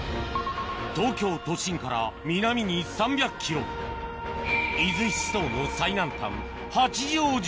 東京都心から南に３００ｋｍ伊豆七島の最南端